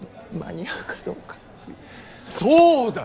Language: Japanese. そうだ！